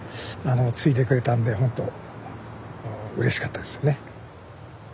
継いでくれたんでほんとうれしかったですよね。